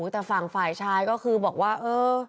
แต่ฝั่งฝ่ายชายก็คือบอกว่าเออ